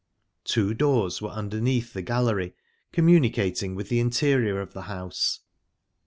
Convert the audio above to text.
Two doors were underneath the gallery, communicating with the interior of the house.